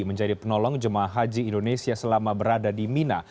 menjadi penolong jemaah haji indonesia selama berada di mina